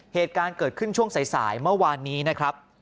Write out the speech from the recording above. เหตุการณ์เกิดขึ้นช่วงสายเมื่อวานนี้นะครับ